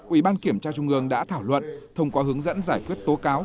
ủy ban kiểm tra trung ương đã thảo luận thông qua hướng dẫn giải quyết tố cáo